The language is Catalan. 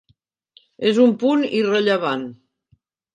És un punt irrellevant.